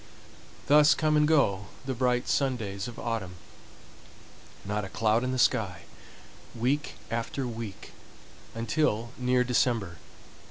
Thus come and go the bright sun days of autumn, not a cloud in the sky, week after week until near December.